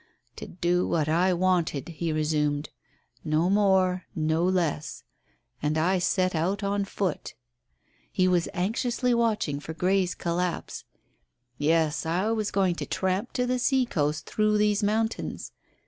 " to do what I wanted," he resumed. "No more no less; and I set out on foot." He was anxiously watching for Grey's collapse. "Yes, I was going to tramp to the sea coast through these mountains.